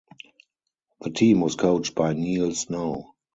The team was coached by Neil Snow.